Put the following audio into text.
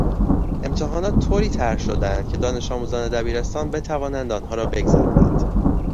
امتحانات طوری طرح شدهاند که دانشآموزان دبیرستان بتوانند آنها را بگذرانند.